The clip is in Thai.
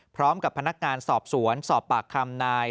พร้อมกับพนักงานสอบสวนสอบปากคำนาย